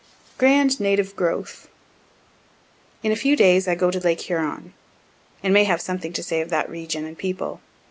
GRAND NATIVE GROWTH In a few days I go to lake Huron, and may have something to say of that region and people.